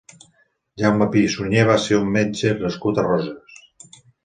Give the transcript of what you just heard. Jaume Pi i Sunyer va ser un metge nascut a Roses.